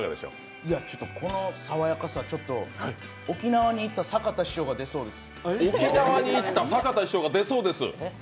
この爽やかさ、ちょっと沖縄に行った坂田師匠が出そうです。